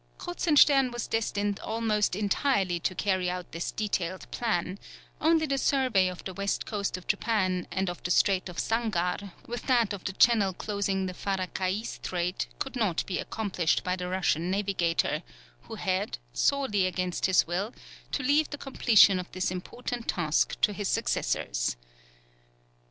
Kruzenstern was destined almost entirely to carry out this detailed plan, only the survey of the western coast of Japan and of the Strait of Sangar, with that of the channel closing the Farakaï Strait, could not be accomplished by the Russian navigator, who had, sorely against his will, to leave the completion of this important task to his successors.